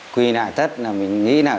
quy nại tất là mình nghĩ là